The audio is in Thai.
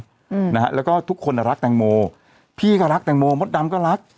อืมนะฮะแล้วก็ทุกคนอ่ะรักแตงโมพี่ก็รักแตงโมมดดำก็รัก